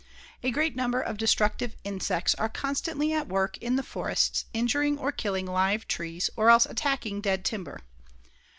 A great number of destructive insects are constantly at work in the forests injuring or killing live trees or else attacking dead timber.